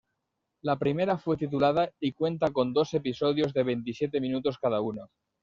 La primera fue titulada y cuenta con dos episodios de veintisiete minutos cada uno.